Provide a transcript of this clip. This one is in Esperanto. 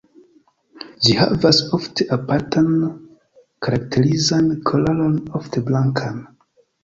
Ĝi havas ofte apartan karakterizan koloron ofte blankan.